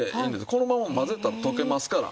このまま混ぜたら溶けますから。